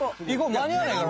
まにあわないから。